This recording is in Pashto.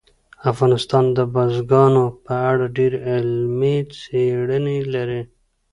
افغانستان د بزګانو په اړه ډېرې علمي څېړنې لري.